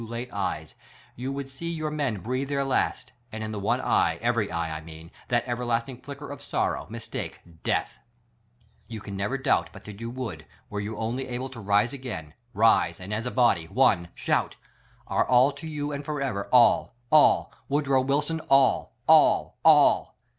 o late eyes, you would see your men breathe their last ; and in the one eye — every eye, I mean that everlasting flicker of sorro.w, mistake — death ! You can never doubt but that you would, were you only able to again rise, rise and as a body, one — shout : Our all to 3^ou and forever, all ! all —\\ oodrow Wilson, all ! all ! all